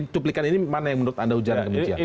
cuplikan ini mana yang menurut anda ujaran kebencian